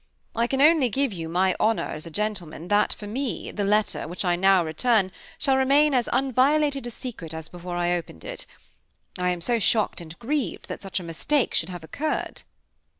I can only give you my honor as a gentleman, that, for me, the letter, which I now return, shall remain as unviolated a secret as before I opened it. I am so shocked and grieved that such a mistake should have occurred!"